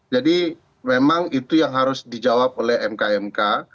jadi memang itu yang harus dijawab oleh mk mk